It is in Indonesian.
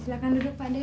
silahkan duduk pak deh